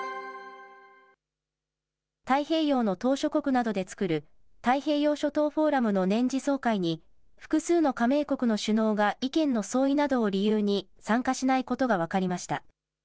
太平洋の島しょ国などで作る、太平洋諸島フォーラムの年次総会に、複数の加盟国の首脳が意見の相違などを理由に参加しないことが分かりました。